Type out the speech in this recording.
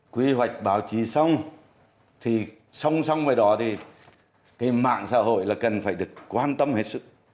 quy hoạch báo chí xong thì xong xong về đó thì cái mạng xã hội là cần phải được quan tâm hết sức